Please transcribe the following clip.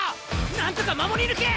なんとか守り抜け！